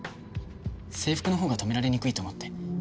制服のほうが止められにくいと思って。